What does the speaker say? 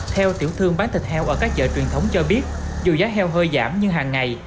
theo tiểu thương bán thịt heo ở các chợ truyền thống cho biết dù giá heo hơi giảm nhưng hàng ngày